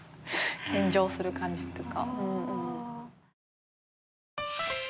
献上する感じっていうか。